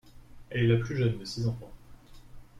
Elle est la plus jeune de six enfants.